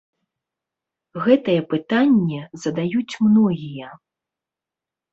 Гэтае пытанне задаюць многія.